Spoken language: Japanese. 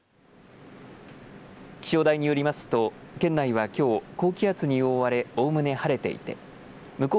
気象台によりますと県内はきょう高気圧に覆われおおむね晴れていて向こう